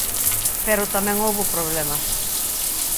Pero tamén houbo problemas.